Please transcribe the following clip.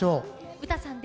ウタさんで